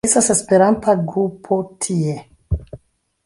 Estas esperanta grupo tie.